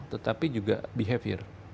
tetapi juga behavior